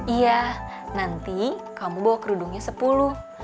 iya nanti kamu bawa kerudungnya sepuluh